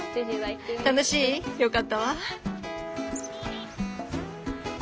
楽しい？よかったわ。